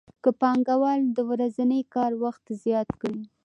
که پانګوال د ورځني کار وخت زیات کړي